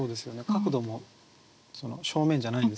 角度も正面じゃないんですもんね。